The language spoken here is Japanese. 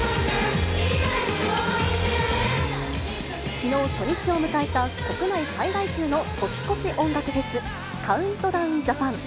きのう、初日を迎えた、国内最大級の年越し音楽フェス、カウントダウンジャパン。